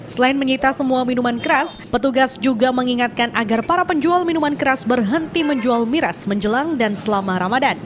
selain menyita semua minuman keras petugas juga mengingatkan agar para penjual minuman keras berhenti menjual miras menjelang dan selama ramadan